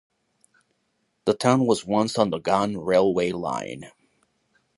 The town was once on The Ghan railway line.